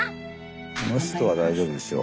この人は大丈夫でしょ。